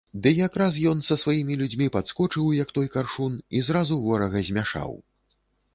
Ды якраз ён са сваімі людзьмі падскочыў, як той каршун, і зразу ворага змяшаў.